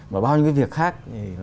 mà bao nhiêu cái việc khác